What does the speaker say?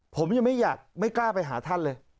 ผมยังไม่อยากไม่กล้าไปหาท่านเลย